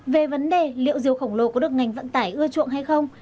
về vấn đề liệu rượu khổng lồ có được ngành vận tải ưa chuộng hay không